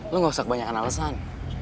lo gak usah kebanyakan alasan